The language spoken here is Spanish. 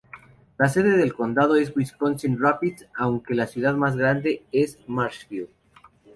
La sede del condado es Wisconsin Rapids aunque la ciudad más grande es Marshfield.